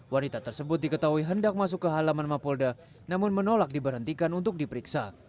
wanita tersebut diketahui hendak masuk ke halaman mapolda namun menolak diberhentikan untuk diperiksa